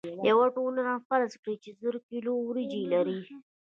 یوه ټولنه فرض کړئ چې زر کیلو وریجې لري.